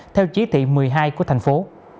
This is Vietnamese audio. theo chí thị một mươi hai của thành phố